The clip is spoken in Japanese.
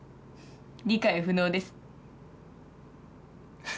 理解不能です。